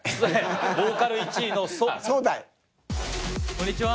こんにちは！